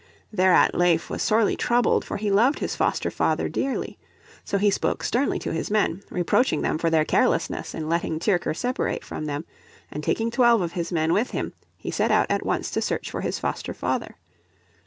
Thereat Leif was sorely troubled, for he loved his foster father dearly. So he spoke sternly to his men, reproaching them for their carelessness in letting Tyrker separate from them, and taking twelve of his men with him he set out at once to search for his foster father.